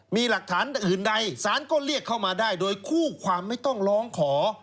มีหลักฐานอื่นใดสารก็เรียกเข้ามาได้โดยคู่ความไม่ต้องร้องขอ